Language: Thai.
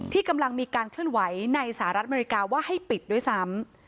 ที่กำลังมีการเคลื่อนไหวในสหรัฐอเมริกาว่าให้ปิดด้วยซ้ำ